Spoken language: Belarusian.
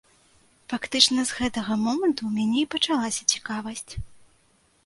Фактычна з гэтага моманту ў мяне і пачалася цікавасць.